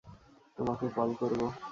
তোমাকে কল করব।